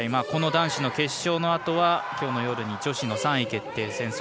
この男子の決勝のあとはきょうの夜女子の３位決定戦。